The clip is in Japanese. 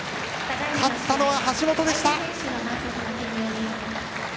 勝ったのは橋本でした。